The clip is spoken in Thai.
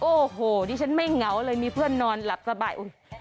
โอ้โหดิฉันไม่เหงาเลยมีเพื่อนนอนหลับสบาย